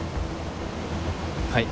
はい。